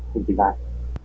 tương truyền này